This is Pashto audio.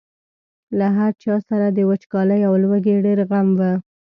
له هر چا سره د وچکالۍ او لوږې ډېر غم و.